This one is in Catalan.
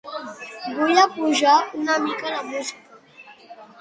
Vull apujar una mica la música.